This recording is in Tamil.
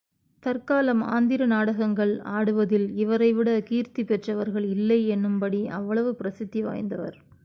தற்காலம் ஆந்திர நாடகங்கள் ஆடுவதில் இவரைவிடக் கீர்த்தி பெற்றவர்கள் இல்லை என்னும்படி அவ்வளவு பிரசித்தி வாய்ந்தவர்.